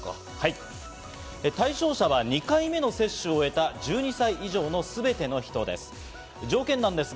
対象者は２回目の接種を終えた、１２歳以上のすべての人です。